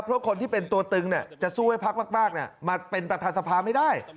เพราะคนที่เป็นตัวตึงจะสู้ให้พักมากมาเป็นประธานสภาไม่ได้